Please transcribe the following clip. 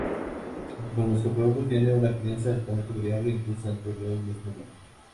Bajo el microscopio, tienen una apariencia altamente variable, incluso dentro de un mismo tumor.